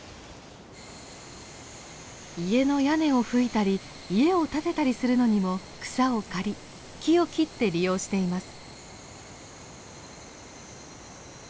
家の屋根をふいたり家を建てたりするのにも草を刈り木を切って利用しています。